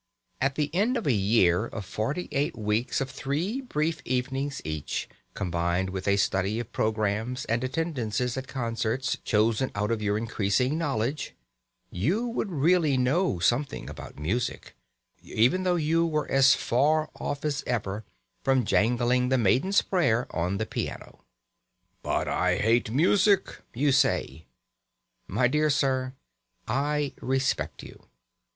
At the end of a year of forty eight weeks of three brief evenings each, combined with a study of programmes and attendances at concerts chosen out of your increasing knowledge, you would really know something about music, even though you were as far off as ever from jangling "The Maiden's Prayer" on the piano. "But I hate music!" you say. My dear sir, I respect you.